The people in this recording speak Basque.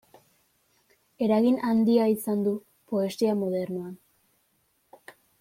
Eragin handia izan du poesia modernoan.